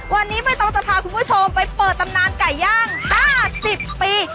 วันนี้ไม่ต้องจะพาคุณผู้ชมไปเปิดตำนานไก่ย่าง๕๐ปี